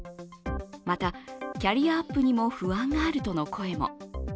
また、キャリアアップにも不安があるとの声も。